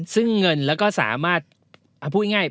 เพราะถ้าไม่สามารถถูกกัน